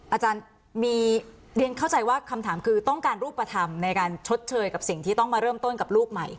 อาจารย์มีเรียนเข้าใจว่าคำถามคือต้องการรูปธรรมในการชดเชยกับสิ่งที่ต้องมาเริ่มต้นกับลูกใหม่